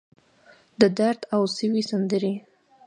د درد اوسوي سندرې